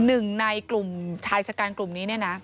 นึงในกลุ่มชายชะกันกรุ่มนี้นะ